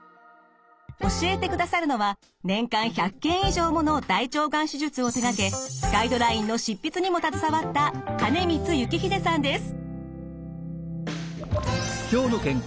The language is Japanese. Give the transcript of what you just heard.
教えてくださるのは年間１００件以上もの大腸がん手術を手がけガイドラインの執筆にも携わった金光幸秀さんです。